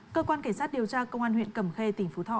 cơ quan cảnh sát điều tra công an huyện cầm khê tỉnh phú thọ